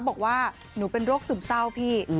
บอกว่าหนูเป็นโรคซึมเศร้าพี่